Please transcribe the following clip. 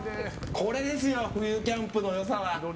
これですよ、冬キャンプの良さは。